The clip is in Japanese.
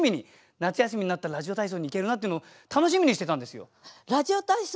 夏休みになったらラジオ体操に行けるなっていうのを楽しみにしてたんですよ。